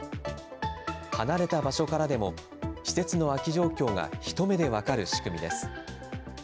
離れた場所からでも、施設の空き状況が一目で分かる仕組みです。